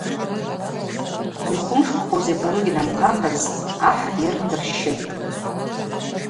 Йхвымшкӏхуз йкъару гьнамхъахызтӏ, ахӏ йыр дырщытӏ.